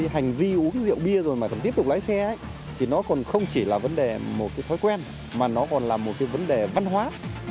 hành vi uống rượu bia rồi mà còn tiếp tục lái xe thì nó còn không chỉ là vấn đề một cái thói quen mà nó còn là một cái vấn đề văn hóa